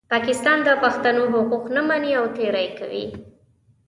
پاکستان د پښتنو حقوق نه مني او تېری کوي.